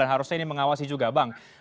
harusnya ini mengawasi juga bang